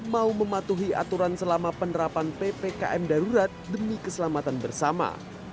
mau mematuhi aturan selama penerapan ppkm darurat demi keselamatan bersama